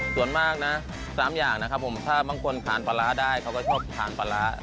ส่วนมากนะ๓อย่างนะครับผมถ้าบางคนทานปลาร้าได้เขาก็ชอบทานปลาร้า